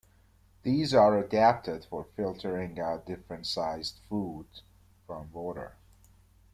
These are adapted for filtering out different sized food from water.